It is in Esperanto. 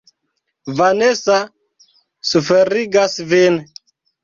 Vanesa suferigas vin.